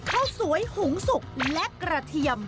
ข้าวสวยหุงสุกและกระเทียม